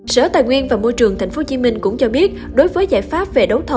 sở tài nguyên và môi trường tp hcm cũng cho biết đối với giải pháp về đấu thầu